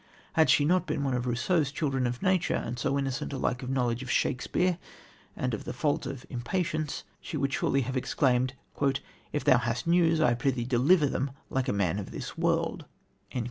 Had she not been one of Rousseau's children of nature, and so innocent alike of a knowledge of Shakespeare and of the fault of impatience, she would surely have exclaimed: "If thou hast news, I prithee deliver them like a man of this world."